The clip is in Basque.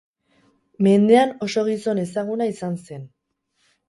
Mendean oso gizon ezaguna izan zen.